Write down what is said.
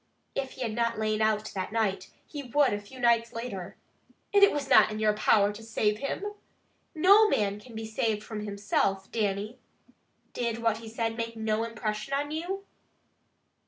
If he had not lain out that night, he would a few nights later. It was not in your power to save him. No man can be saved from himself, Dannie. Did what he said make no impression on you?"